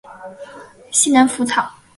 西南莩草为禾本科狗尾草属下的一个种。